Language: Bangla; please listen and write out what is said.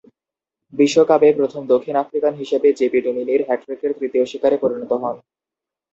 বিশ্বকাপে প্রথম দক্ষিণ আফ্রিকান হিসেবে জেপি ডুমিনি’র হ্যাট্রিকের তৃতীয় শিকারে পরিণত হন।